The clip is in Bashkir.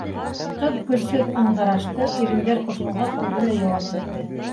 Ҡыҙ көсһөҙ ыңғырашты, ирендәр ҡушылғас, үҙе лә яуап бирҙе